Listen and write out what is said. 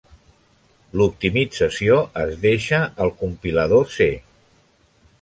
L'optimització es deixa al compilador C.